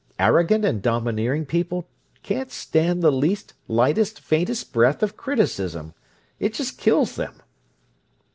Arrogant and domineering people can't stand the least, lightest, faintest breath of criticism. It just kills them."